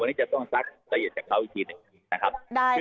วันนี้จะต้องซักใจเย็นจากเขาอีกทีหน่อยนะครับได้ค่ะ